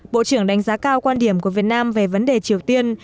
bộ trưởng đánh giá cao quan điểm của việt nam về vấn đề triều tiên